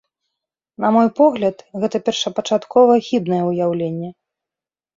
На мой погляд, гэта першапачаткова хібнае ўяўленне.